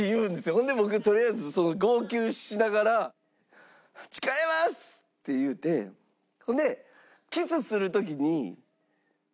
ほんで僕とりあえず号泣しながら「誓います！」って言うてほんでキスする時に。